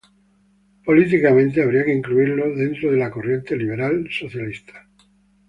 Políticamente, habría que incluirlo dentro de la corriente liberal-socialista.